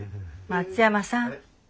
松山さん。